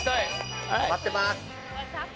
待ってます。